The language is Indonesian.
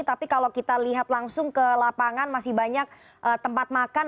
tapi kalau kita lihat langsung ke lapangan masih banyak tempat makan